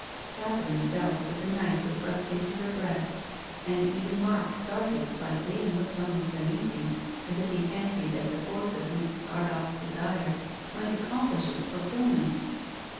Catherine felt as if a knife were thrust into her breast, and even Mark started slightly and looked almost uneasy, as if he fancied that the force of Mrs. Ardagh's desire might accomplish its fulfil ment.